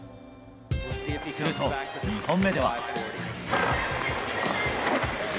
すると、２本目では。